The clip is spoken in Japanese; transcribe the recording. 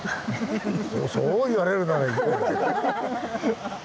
そう言われるなら行こう。